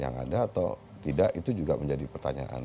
yang ada atau tidak itu juga menjadi pertanyaan